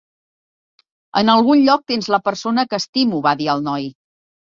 "En algun lloc tens la persona que estimo", va dir el noi.